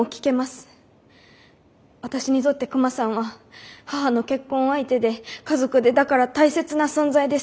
私にとってクマさんは母の結婚相手で家族でだから大切な存在です。